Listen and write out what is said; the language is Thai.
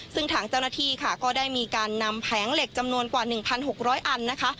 ซึ่งทางเจ้าหน้าที่ค่ะก็ได้มีการนำแผงเหล็กจำนวนกว่า๑๖๐๐อันนะคะ